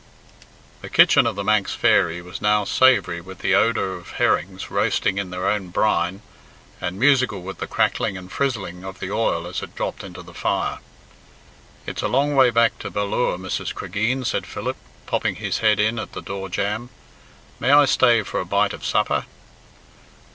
The kitchen of "The Manx Fairy" was now savoury with the odour of herrings roasting in their own brine, and musical with the crackling and frizzling of the oil as it dropped into the fire. "It's a long way back to Ballure, Mrs. Cregeen," said Philip, popping his head in at the door jamb. "May I stay to a bite of supper?"